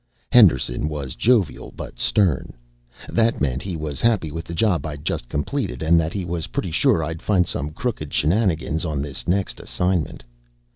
Henderson was jovial but stern. That meant he was happy with the job I'd just completed, and that he was pretty sure I'd find some crooked shenanigans on this next assignment.